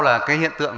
là cái hiện tượng